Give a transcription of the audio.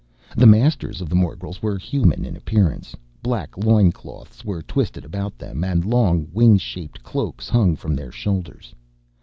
The masters of the morgels were human in appearance. Black loin cloths were twisted about them and long, wing shaped cloaks hung from their shoulders.